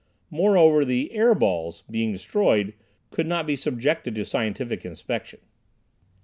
Moreover, the "air balls," being destroyed, could not be subjected to scientific inspection.